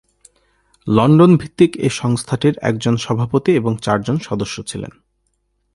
London ভিত্তিক এ সংস্থাটির একজন সভাপতি এবং চার জন সদস্য ছিলেন।